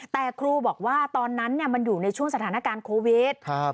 แต่ครูบอกว่าตอนนั้นมันอยู่ในช่วงสถานการณ์โควิด